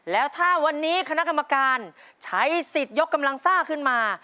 แล้วถ้าวันนี้คณะกรรมการใช้สิทธิ์ยกกำลังซ่าขึ้นมา